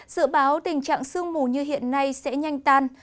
dự báo tình trạng sương mù như hiện nay sẽ nhanh tan